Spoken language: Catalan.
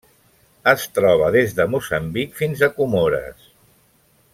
Es troba des de Moçambic fins a Comores.